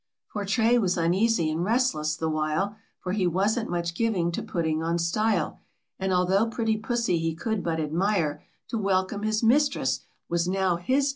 But Tray was uneasy and restless the while, For he wasn't much giving to putting on style. And though pretty Pussy he could but admire, To welcome his mistress was now his desire.